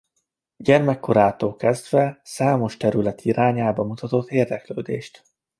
Gyermekkorától kezdve számos terület irányába mutatott érdeklődést.